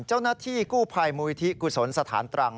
เจ้าหน้าที่กู้ภัยมูลิธิกุศลสถานตรัง